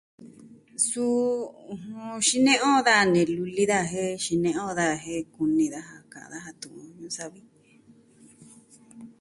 Suu, xine'e on daja ne luli daja, jen xine'e on daja jen kuni daja ka'an daja tu'un ñuu savi.